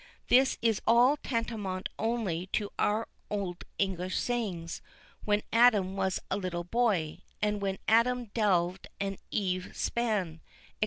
This is all tantamount only to our old English sayings, "When Adam was a little boy," and "When Adam delved and Eve span," &c.